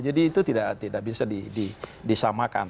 jadi itu tidak bisa disampaikan